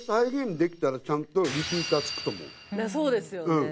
そうですよね。